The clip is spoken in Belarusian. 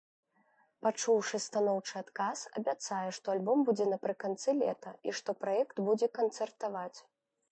Пачуўшы станоўчы адказ, абяцае, што альбом будзе напрыканцы лета, і што праект будзе канцэртаваць.